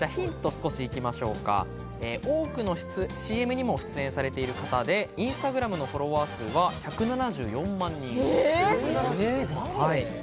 少し行きましょうか、多くのＣＭにも出演されている方で、インスタグラムのフォロワー数は１７４万人。